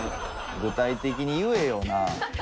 具体的に言えよなあ。